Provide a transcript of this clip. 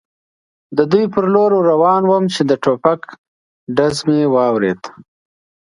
دوی پر لور ور روان ووم، چې د ټوپک ډز مې واورېد.